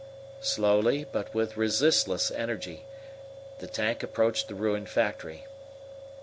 Slowly, but with resistless energy, the tank approached the ruined factory.